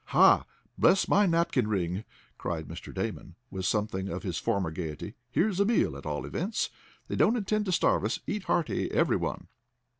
"Ha! Bless my napkin ring!" cried Mr. Damon with something of his former gaiety. "Here's a meal, at all events. They don't intend to starve us. Eat hearty, every one."